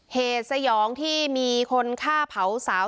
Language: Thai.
เหตุซะหยองที่มีคนฆ่าเผาสาว